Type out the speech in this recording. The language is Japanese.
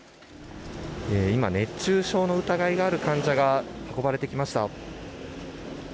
今、熱中症の疑いのある患者が運ばれてきました。